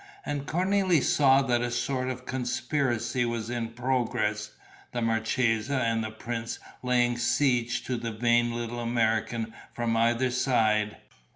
And Cornélie saw that a sort of conspiracy was in progress, the marchesa and the prince laying siege to the vain little American from either side.